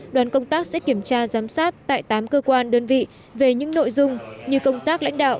đoàn công tác sẽ kiểm tra giám sát tại tám cơ quan đơn vị về những nội dung như công tác lãnh đạo